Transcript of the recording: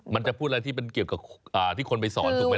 มันจะพูดอะไรที่มันเกี่ยวกับที่คนไปสอนถูกไหม